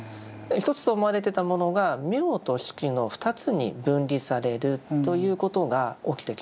一つと思われてたものが「名」と「色」の二つに分離されるということが起きてきます。